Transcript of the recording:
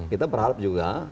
kita berharap juga